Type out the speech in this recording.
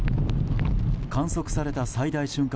観測された最大瞬間